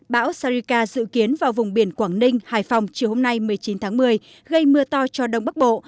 bão sarika dự kiến vào vùng biển quảng ninh hải phòng chiều hôm nay một mươi chín tháng một mươi gây mưa to cho đông bắc bộ